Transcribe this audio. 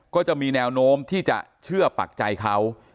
ก็จะมีแนวโน้มที่จะเชื่อปักใจเขา